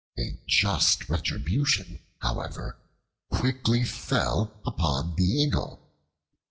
A just retribution, however, quickly fell upon the Eagle.